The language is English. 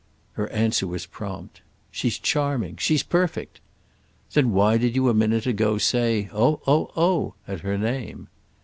Her answer was prompt. "She's charming. She's perfect." "Then why did you a minute ago say 'Oh, oh, oh!' at her name?"